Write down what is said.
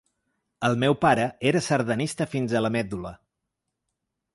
El meu pare era sardanista fins a la medul·la.